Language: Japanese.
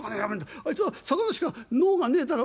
あいつは魚しか能がねえだろ？』。